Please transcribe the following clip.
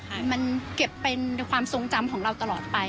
ให้แบบมันเก็บเป็นความทรงจำของเราตลอดไปค่ะ